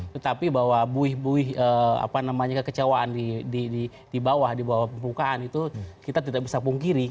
tetapi bahwa buih buih kekecewaan di bawah di bawah permukaan itu kita tidak bisa pungkiri